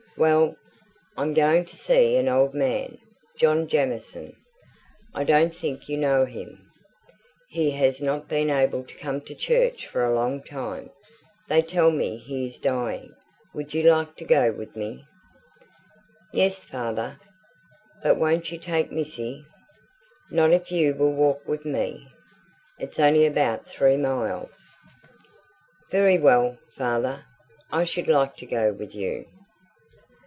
"Well, I'm going to see an old man John Jamieson I don't think you know him: he has not been able to come to church for a long time. They tell me he is dying. Would you like to go with me?" "Yes, father. But won't you take Missy?" "Not if you will walk with me. It's only about three miles." "Very well, father. I should like to go with you."